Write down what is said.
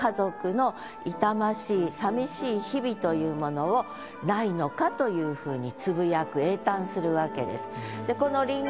さみしい日々というものを「無いのか」というふうにつぶやく詠嘆するわけです。